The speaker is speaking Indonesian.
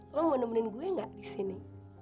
lo mau nemenin gue gak disini